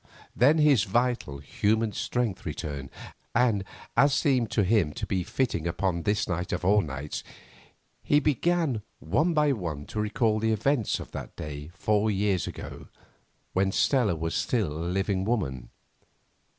Then his vital, human strength returned, and, as seemed to him to be fitting upon this night of all nights, he began one by one to recall the events of that day four years ago, when Stella was still a living woman.